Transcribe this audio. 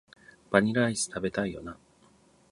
バニラアイス、食べたいよな